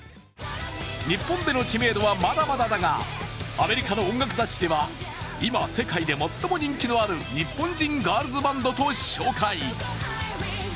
日本での知名度はまだまだだが、アメリカの音楽雑誌では今、世界で最も人気のある日本人ガールズバンドと紹介。